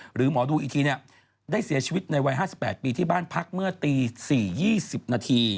หรือหมอดูอีกทีได้เสียชีวิตในวัย๕๘ปีที่บ้านพักเมื่อตี๔๒๐นาที